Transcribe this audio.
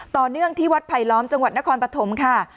ต่อเนื่องที่วัดไผลล้อมจังหวัดนครปฐมค่ะ